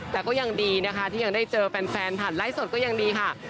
แต่ก็ยังดีนะคะที่ยังได้เจอแฟนผ่านไลฟ์สดก็ยังดีค่ะ